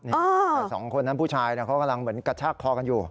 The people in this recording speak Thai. แต่สองคนนั้นผู้ชายเขากำลังเหมือนกระชากคอกันอยู่